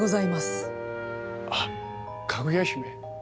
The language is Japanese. あっかぐや姫？